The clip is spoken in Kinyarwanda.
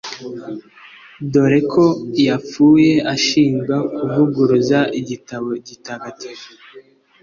dore ko yapfuye ashinjwa kuvuguruza igitabo gitagatifu